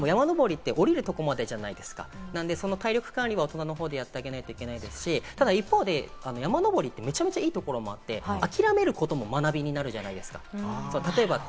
でも山登りって下りるところまでじゃないですか、その体力管理を親がやってあげなきゃいけないですし、一方で山登りってめちゃめちゃいいところがあって、諦めることも学びになるじゃないですか。